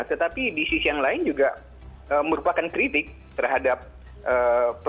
tetapi di sisi yang lain juga merupakan kritik terhadap pemerintah